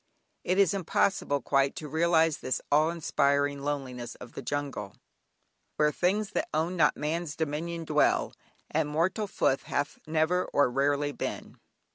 It is impossible quite to realise this awe inspiring loneliness of the jungle "Where things that own not man's dominion dwell." "And mortal foot hath ne'er or rarely been."